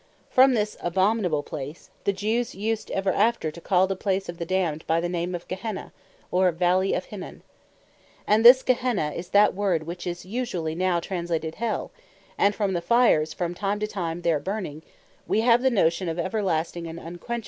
From this abominable place, the Jews used ever after to call the place of the Damned, by the name of Gehenna, or Valley of Hinnon. And this Gehenna, is that word, which is usually now translated HELL; and from the fires from time to time there burning, we have the notion of Everlasting, and Unquenchable Fire.